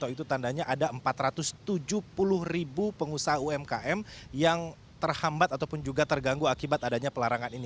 itu tandanya ada empat ratus tujuh puluh ribu pengusaha umkm yang terhambat ataupun juga terganggu akibat adanya pelarangan ini